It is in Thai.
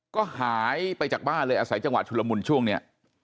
ก็หายไปจากบ้านเลยอาศัยจังหวะชุลมุนช่วงนี้